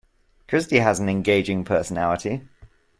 Christy has an engaging personality.